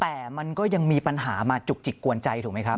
แต่มันก็ยังมีปัญหามาจุกจิกกวนใจถูกไหมครับ